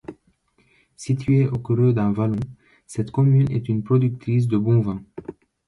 Située au creux d'un vallon, cette commune est une productrice de bon vin.